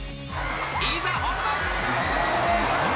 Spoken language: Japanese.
いざ本番！